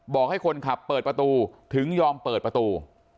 บอกให้คนขับเปิดประตูถึงยอมเปิดประตู